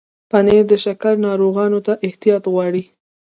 پنېر د شکر ناروغانو ته احتیاط غواړي.